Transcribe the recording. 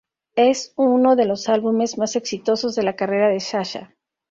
Es uno de los álbumes más exitosos de la carrera de Sasha.